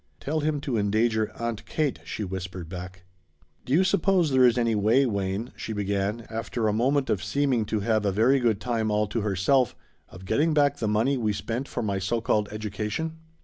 "Tell him to endanger Aunt Kate," she whispered back. "Do you suppose there is any way, Wayne," she began, after a moment of seeming to have a very good time all to herself, "of getting back the money we spent for my so called education?"